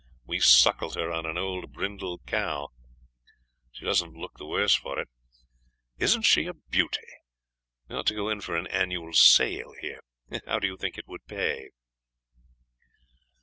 We suckled her on an old brindle cow; she doesn't look the worse for it. Isn't she a beauty? We ought to go in for an annual sale here. How do you think it would pay?'